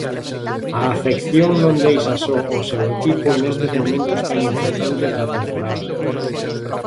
A afección non deixa só o seu equipo nestes momentos tan importantes da temporada.